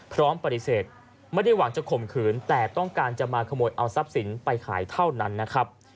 พร้อมปฏิเสธไม่ได้หวังจะข่มขืนแต่ต้องการจะมาขโมยเอาทรัพย์สินไปขายเท่านั้นนะครับ